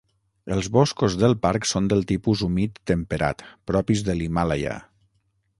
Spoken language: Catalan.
Els boscos del parc són del tipus humit temperat, propis de l'Himàlaia.